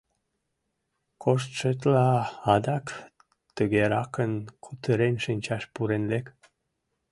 — Коштшетла, адак тыгеракын кутырен шинчаш пурен лек.